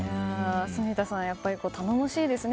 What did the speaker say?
住田さん、頼もしいですね。